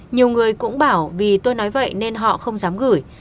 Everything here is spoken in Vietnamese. nhiều người cũng bảo vì tôi nói vậy nên họ không dám gửi